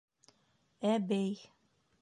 Әбей.